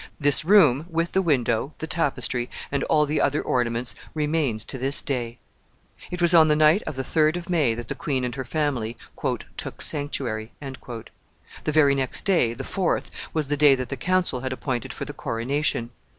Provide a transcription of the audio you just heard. This room, with the window, the tapestry, and all the other ornaments, remains to this day. It was on the night of the third of May that the queen and her family "took sanctuary." The very next day, the fourth, was the day that the council had appointed for the coronation.